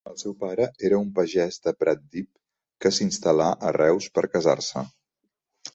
El seu pare era un pagès de Pratdip que s'instal·là a Reus per casar-se.